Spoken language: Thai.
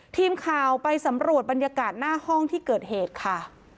ทีมข่าวไปสำรวจบรรยากาศหน้าห้องที่เกิดเหตุค่ะ